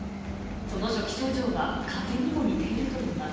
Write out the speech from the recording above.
その初期症状は風邪にも似ているといいます。